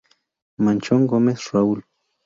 Manchón Gómez, Raúl.